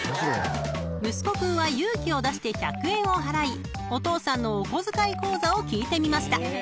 ［息子君は勇気を出して１００円を払いお父さんのお小遣い講座を聞いてみました］